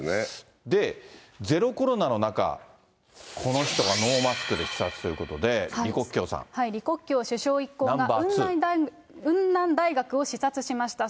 で、ゼロコロナの中、この人がノーマスクで視察ということで、李李克強首相一行が雲南大学を視察しました。